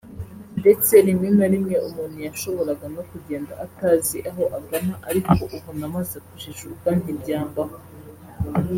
ndetse rimwe na rimwe umuntu yashoboraga no kugenda atazi aho agana ariko ubu namaze kujijuka ntibyambaho